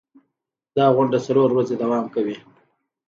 دا غونډه څلور ورځې دوام کوي.